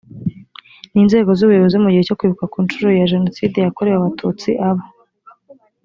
n inzego z ubuyobozi mu gihe cyo kwibuka ku nshuro ya jenoside yakorewe abatutsi aba